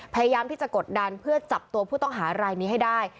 พยายามที่จะกดดันเพื่อจับตัวผู้ต้องหารายนี้ให้ได้